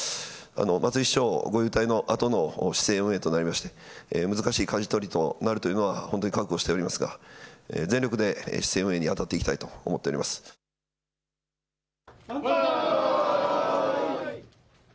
松井市長ご勇退のあとの市政運営となりまして、難しいかじ取りとなるというのは本当に覚悟しておりますが、全力で市政運営に当た万歳。